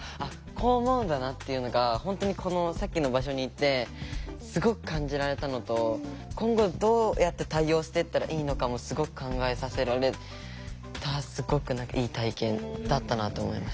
こう思うんだなっていうのが本当にこのさっきの場所に行ってすごく感じられたのと今後どうやって対応していったらいいのかもすごく考えさせられたすごくいい体験だったなと思いました。